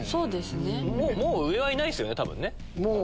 もう上はいないですよね多分ね。